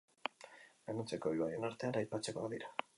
Gainontzeko ibaien artean aipatzekoak dira.